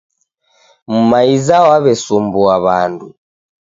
Mumaiza wawesumbua wandu